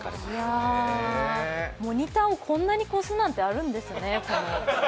モニターをこんなに越すなんてあるんですね。